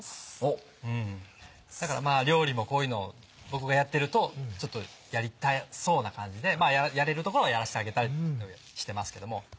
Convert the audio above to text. だから料理もこういうのを僕がやってるとちょっとやりたそうな感じでやれるところはやらせてあげたりしてますけども。